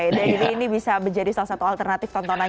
jadi ini bisa menjadi salah satu alternatif tontonan